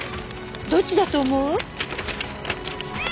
どっちだと思う？